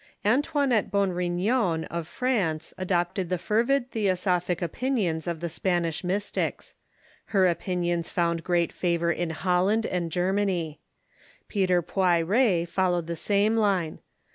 Antoinette Bourignon, of France, adopted the fervid the osophic opinions of the Spanish Mystics. Her opinions found great favor in Holland and Germany. Peter Poiret Ou'ietists followed in the same line.